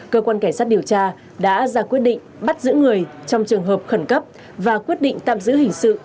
cơ quan cảnh sát điều tra đã ra quyết định bắt giữ người trong trường hợp khẩn cấp và quyết định tạm giữ hình sự